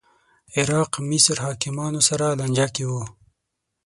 عراق مصر حاکمانو سره لانجه کې و